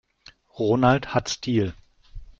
Ronald hat Stil.